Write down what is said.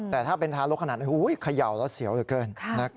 แต่ถ้าเป็นทารกขนาดเขย่าแล้วเสียวเหลือเกิน